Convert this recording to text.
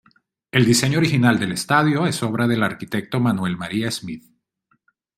El diseño original del estadio es obra del arquitecto Manuel María Smith.